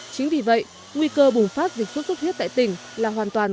chính vì vậy nguy cơ bùng phát dịch sốt huyết tại tỉnh là hoàn toàn